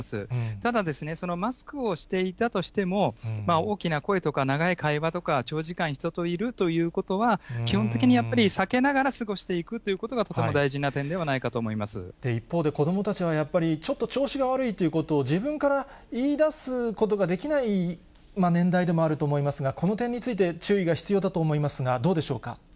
ただ、そのマスクをしていたとしても、大きな声とか長い会話とか、長時間人といるということは、基本的にやっぱり、避けながら過ごしていくということが、とても一方で、子どもたちはやっぱり、ちょっと調子が悪いということを、自分から言いだすことができない年代でもあると思いますが、この点について、注意が必要だと思いますが、どうでしょうか。